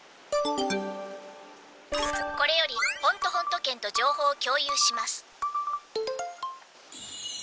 「これよりホントホント剣と情報を共有します」。